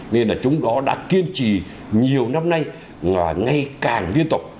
nên là chúng nó đã kiên trì nhiều năm nay và ngay càng liên tục